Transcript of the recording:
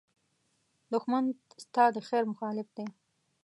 دښمن ستا د خېر مخالف دی